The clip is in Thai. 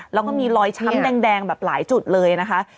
แล้วก็มีรอยช้ำแดงแบบหลายจุดเลยนะคะ